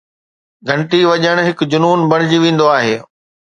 گھنٽي وڄڻ هڪ جنون بڻجي ويندو آهي